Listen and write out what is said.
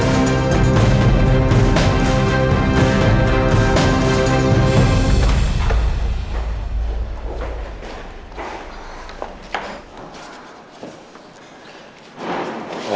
eva mau ketemu sama papa